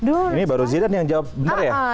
ini baru zidan yang jawab benar ya